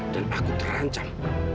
dan aku terancam